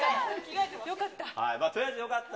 よかった。